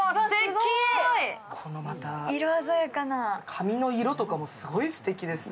紙の色とかもすごいすてきですね。